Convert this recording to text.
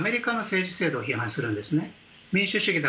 最近よくアメリカの政治制度を批判するんです。